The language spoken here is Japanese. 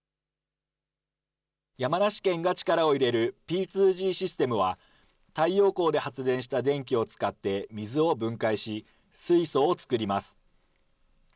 山梨県が力を入れるＰ２Ｇシステムは、太陽光で発電した電気を使って水を分解し、水素を作ります。